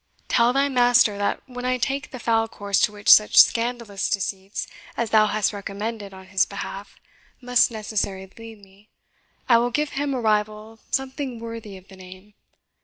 Tell thy master that when I take the foul course to which such scandalous deceits as thou hast recommended on his behalf must necessarily lead me, I will give him a rival something worthy of the name.